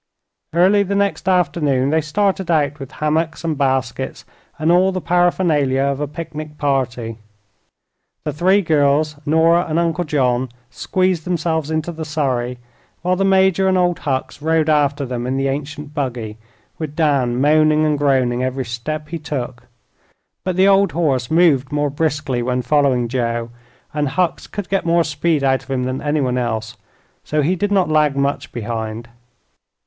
Early the next afternoon they started out with hammocks and baskets and all the paraphernalia of a picnic party. The three girls, Nora and Uncle John squeezed themselves into the surrey, while the Major and Old Hucks rode after them in the ancient buggy, with Dan moaning and groaning every step he took. But the old horse moved more briskly when following Joe, and Hucks could get more speed out of him than anyone else; so he did not lag much behind.